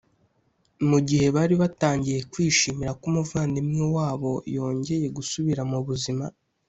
Mu gihe bari batangiye kwishimira ko umuvandimwe wabo yongeye gusubira mu buzima